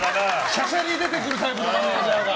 しゃしゃり出てくるタイプだマネジャーが。